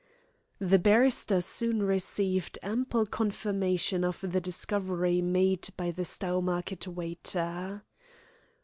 The barrister soon received ample confirmation of the discovery made by the Stowmarket waiter.